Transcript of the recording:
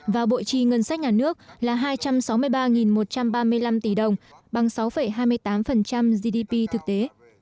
và bộ trì ngân sách nhà nước là hai trăm sáu mươi ba một trăm ba mươi năm tỷ đồng bằng sáu hai mươi tám gdp thực tế